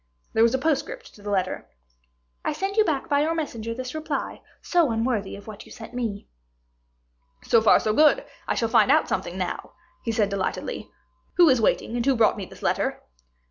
There was a postscript to the letter: "I send you back by your messenger this reply, so unworthy of what you sent me." "So far so good; I shall find out something now," he said delightedly. "Who is waiting, and who brought me this letter?" "M.